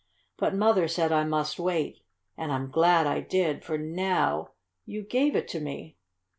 But Mother said I must wait, and I'm glad I did, for now you gave it to me."